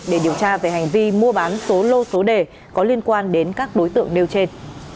để điều tra về hành vi mua bán số lô số đề có liên quan đến các đối tượng nêu trên